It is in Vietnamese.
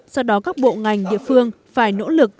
do đó các bộ ngành địa phương phải nỗ lực